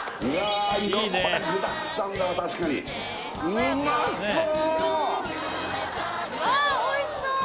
これ具だくさんだわ確かにうまそう！